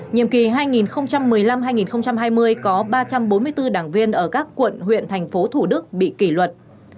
nhiệm kỳ hai nghìn một mươi năm hai nghìn hai mươi có ba trăm bốn mươi bốn đảng viên ở các quận huyện thành phố thủ đức bị kỷ luật